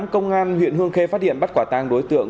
công an huyện hương khê phát hiện bắt quả tang đối tượng